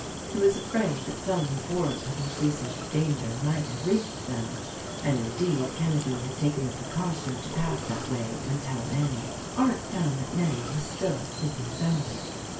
He was afraid that some report of his recent danger might have reached them, and indeed, Kenedy had taken the precaution to pass that THE RECORDING ANGEL 171 way and tell Annie. Arndt found that Nettie was still sleeping soundly.